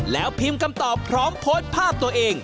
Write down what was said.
แล้วพิมพ์คำตอบพร้อมโพสต์ภาพตัวเอง